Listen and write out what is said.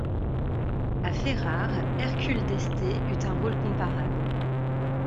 À Ferrare, Hercule d'Este eut un rôle comparable.